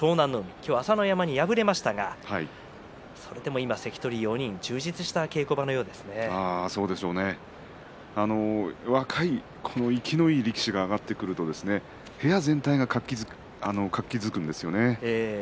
今日は朝乃山に敗れましたがそれでも関取４人と若い生きのいい力士が上がってくると部屋全体が活気づくんですよね。